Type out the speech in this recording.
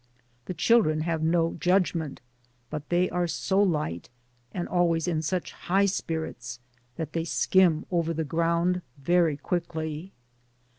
The children have no judgment, but they are so light, and always in such high spirits, that they skim over the ground very quickly.